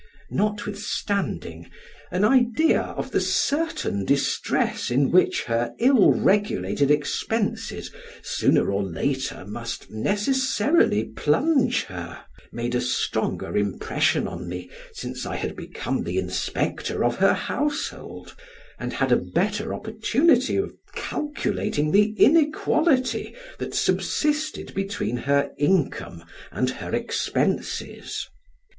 Notwithstanding, an idea of the certain distress in which her ill regulated expenses, sooner or later, must necessarily plunge her, made a stronger impression on me since I had become the inspector of her household, and had a better opportunity of calculating the inequality that subsisted between her income and her expenses.